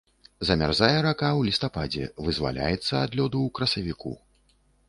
Замярзае рака ў лістападзе, вызваляецца ад лёду ў красавіку.